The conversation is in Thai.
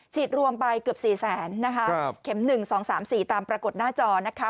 รวมไปเกือบ๔แสนนะคะเข็ม๑๒๓๔ตามปรากฏหน้าจอนะคะ